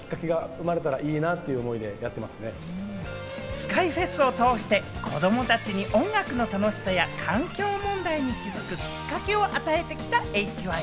ＳＫＹＦｅｓを通して、子どもたちに音楽の楽しさや環境問題に気付くきっかけを与えてきたＨＹ。